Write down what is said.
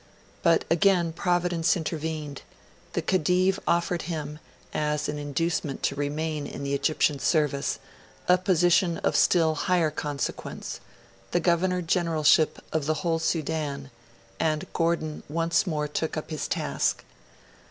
But again Providence intervened: the Khedive offered him, as an inducement to remain in the Egyptian service, a position of still higher consequence the Governor Generalship of the whole Sudan; and Gordon once more took up his task.